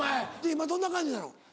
今どんな感じなの？